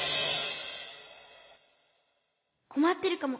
こまってるかも。